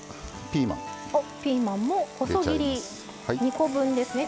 ピーマンも細切り２コ分ですね。